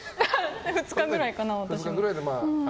２日ぐらいかな、私も。